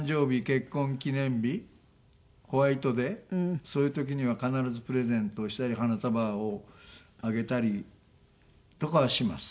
結婚記念日ホワイトデーそういう時には必ずプレゼントをしたり花束をあげたりとかはします。